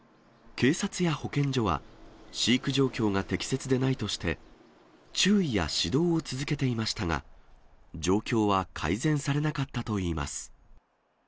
警察や保健所は、飼育状況が適切でないとして、注意や指導を続けていましたが、状況は改善されなかったといいます。